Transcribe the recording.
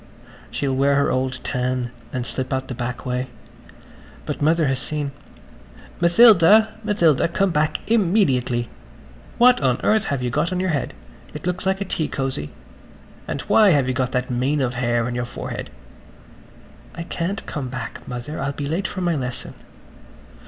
She'll wear her old tam and slip out the back way. But Mother has seen. "Matilda. Matilda. Come back im me diately! What on earth have you got on your head? It looks like a tea cosy. And why have you got that mane of hair on your forehead." "I can't come back, Mother. I'll be late for my lesson."